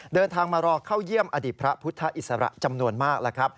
เดินทางมารอเข้าเยี่ยมอดีตพระพุทธอิสระจำนวนมากแล้วครับ